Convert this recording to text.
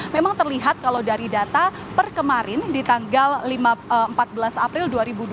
memang terlihat kalau dari data per kemarin di tanggal empat belas april dua ribu dua puluh